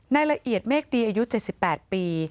ละเอียดเมฆดีอายุ๗๘ปี